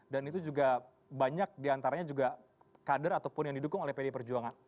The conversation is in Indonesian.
dan itu juga banyak diantaranya juga kader ataupun yang didukung oleh pdip perjuangan